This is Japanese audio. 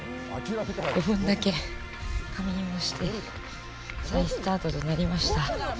５分だけ仮眠をして、再スタートとなりました。